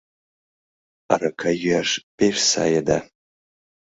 Арака йӱаш пеш сае да